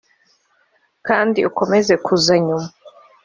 kandi ukomeza kuza nyuma.